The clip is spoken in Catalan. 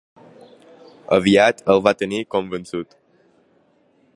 Aviat el va tenir convençut.